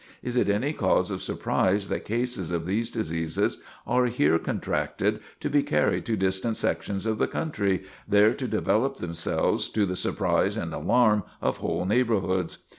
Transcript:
Is it any cause of surprise that cases of these diseases are here contracted, to be carried to distant sections of the country, there to develop themselves, to the surprise and alarm of whole neighborhoods?